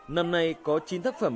năm nay có chín thách phẩm báo